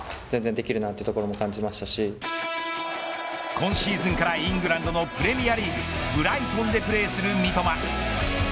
今シーズンからイングランドのプレミアリーグブライトンでプレーする三笘。